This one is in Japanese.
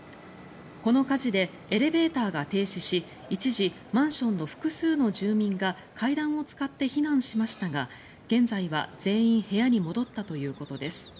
この火事でエレベーターが停止し一時、マンションの複数の住民が階段を使って避難しましたが現在は全員部屋に戻ったということです。